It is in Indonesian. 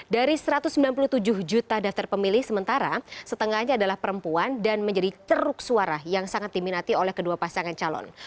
dari satu ratus sembilan puluh tujuh juta daftar pemilih sementara setengahnya adalah perempuan dan menjadi teruk suara yang sangat diminati oleh kedua pasangan calon